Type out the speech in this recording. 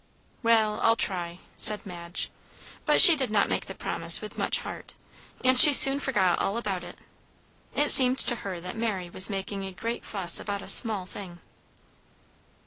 "Well, I'll try," said Madge. But she did not make the promise with much heart, and she soon forgot all about it. It seemed to her that Mary was making a great fuss about a small thing.